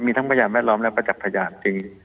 มีทั้งพยานแวดล้อมและประจักษ์พยานจริง